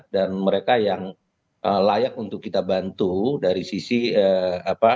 dan mereka yang layak untuk kita bantu dari sisi apa